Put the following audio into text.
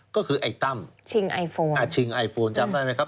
ก็คือไอ้ตั้มชิงไอโฟนอ่าชิงไอโฟนจำได้ไหมครับ